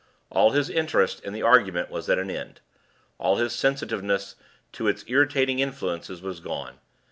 All his interest in the argument was at an end; all his sensitiveness to its irritating influences was gone.